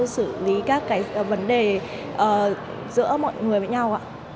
xử lý các vấn đề giữa mọi người với nhau